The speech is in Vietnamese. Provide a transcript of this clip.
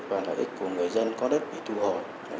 và lợi ích của người dân có đất bị thu hồi